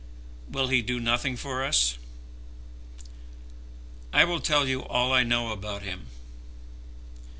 "Will he do nothing for us?" "I will tell you all I know about him."